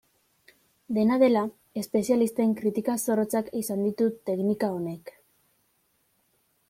Dena dela, espezialisten kritika zorrotzak izan ditu teknika honek.